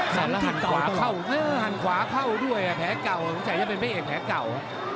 แล้วหันขวาเข้าหันขวาเข้าด้วยแผลเก่ามีความคิดว่าจะเป็นแผลเก่า